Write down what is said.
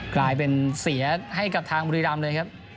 กลายเป็นเสียให้กับทางบุรีรำเลยครับ